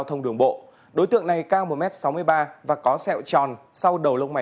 không để các đối tượng lợi dụng